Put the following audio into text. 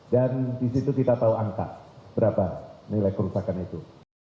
dan di situ kita tahu angka berapa nilai kerusakan itu